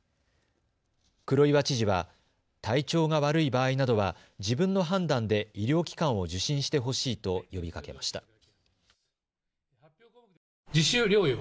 黒岩知事は体調が悪い場合などは自分の判断で医療機関を受診してほしいと呼びかけました。